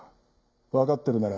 わかってるなら。